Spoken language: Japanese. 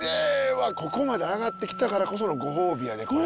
わっここまで上がってきたからこそのご褒美やでこれ。